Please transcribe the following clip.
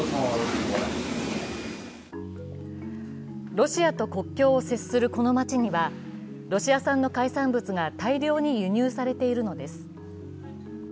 ロシアと国境を接するこの町にはロシア産の海産物が大量に輸入されているのです。